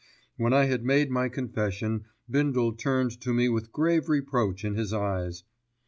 When I had made my confession, Bindle turned to me with grave reproach in his eyes.